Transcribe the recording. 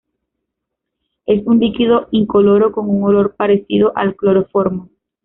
Es un líquido incoloro con un olor parecido al cloroformo.